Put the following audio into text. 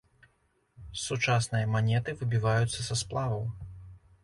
Сучасныя манеты выбіваюцца са сплаваў.